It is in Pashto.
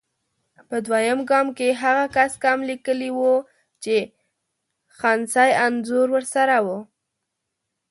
په دویم ګام کې هغه کس کم لیکلي وو چې خنثی انځور ورسره وو.